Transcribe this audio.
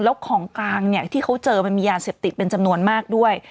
แล้วของกลางเนี่ยที่เขาเจอมันมียาเสพติดเป็นจำนวนมากด้วย